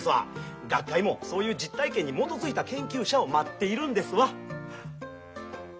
学会もそういう実体験に基づいた研究者を待っているんですわ」。